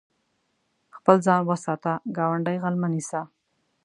خپل ځان وساته، ګاونډی غل مه نيسه.